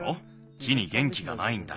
木にげんきがないんだ。